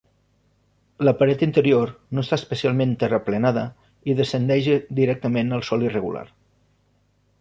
La paret interior no està especialment terraplenada, i descendeix directament al sòl irregular.